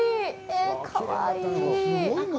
え、かわいい！